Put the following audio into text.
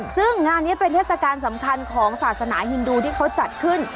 ซึ่งงานนี้เป็นเทศกาลสำคัญของศาสนาฮินดูที่เขาจัดขึ้น